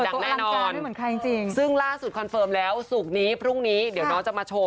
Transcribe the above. ดังแน่นอนซึ่งล่าสุดคอนเฟิร์มแล้วสุดนี้พรุ่งนี้เดี๋ยวน้องจะมาโชว์